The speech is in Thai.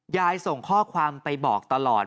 ยายส่งข้อความไปบอกตลอด